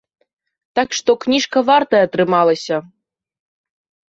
Так што, кніжка вартая атрымалася!